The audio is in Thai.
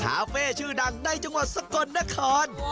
คาเฟ่ชื่อดังในจังหวัดสกลนคร